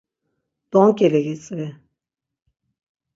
Donǩili gitzvi!